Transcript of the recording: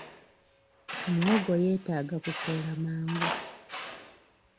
Muwogo yeetaaga kukoola mangu.